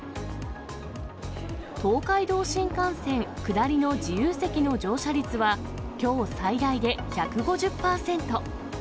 東海道新幹線下りの自由席の乗車率は、きょう最大で１５０％。